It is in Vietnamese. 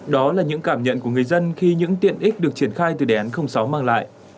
đó là những cảm nhận của người dân khi những tiện ích được triển khai từ đề án sáu mang lại